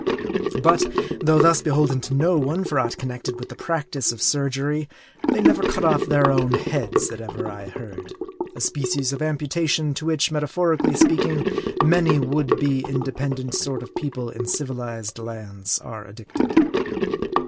But, though thus beholden to no one for aught connected with the practice of surgery, they never cut off their own heads, that ever I heard ; a species of amputa tion to which, metaphorically speaking, many would be in dependent sort of people in civilized lands are addicted.